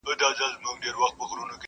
دا دریمه ده له درده چي تاوېږي,